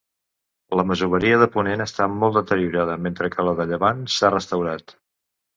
La masoveria de ponent està molt deteriorada, mentre que la de llevant s'ha restaurat.